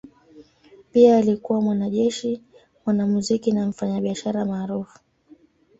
Pia alikuwa mwanajeshi, mwanamuziki na mfanyabiashara maarufu.